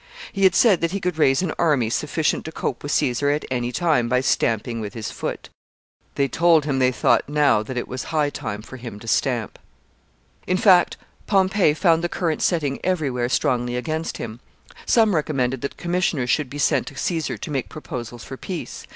He had said that he could raise an army sufficient to cope with Caesar at any time by stamping with his foot. They told him they thought now that it was high time for him to stamp. [Sidenote: He leaves Rome.] In fact, Pompey found the current setting every where strongly against him. Some recommended that commissioners should be sent to Caesar to make proposals for peace.